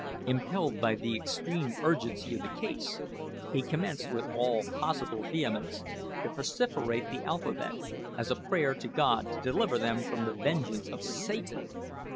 Impelled by the extreme urgency of the case, he commenced, with all possible vehemence, to vociferate the alphabet, as a prayer to God to deliver them from the vengeance of Satan!